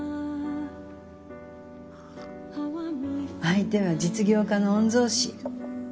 相手は実業家の御曹司。